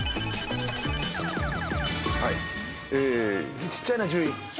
字ちっちゃいな１０位。